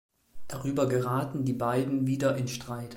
Darüber geraten die beiden wieder in Streit.